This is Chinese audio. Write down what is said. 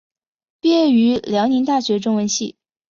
毕业于辽宁大学中文系。